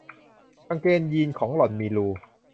กางเกงยีนของหล่อนมีรู